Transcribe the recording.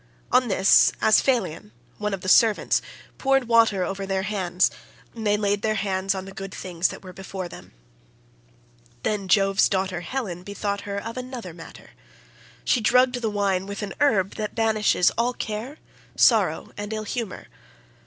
On this Asphalion, one of the servants, poured water over their hands and they laid their hands on the good things that were before them. Then Jove's daughter Helen bethought her of another matter. She drugged the wine with an herb that banishes all care, sorrow, and ill humour.